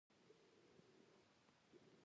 بامیان د افغانستان د ولایاتو په کچه یو توپیر لري.